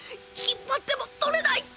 引っ張っても取れない！